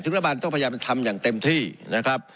รัฐบาลต้องพยายามทำอย่างเต็มที่นะครับ